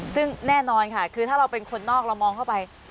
ซึ่งแน่นอนค่ะคือถ้าเราเป็นคนนอกเรามองเข้าไป